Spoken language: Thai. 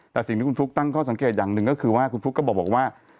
แต่สิ่งที่คุณฟลุ๊กตั้งข้อสังเกตอย่างหนึ่งก็คือว่าคุณฟลุ๊กก็บอกว่า